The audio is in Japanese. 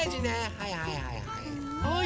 はいはいはいはい。